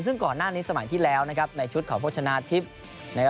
ซึ่งก่อนหน้านี้สมัยที่แล้วในชุดของพวกชนะทิพย์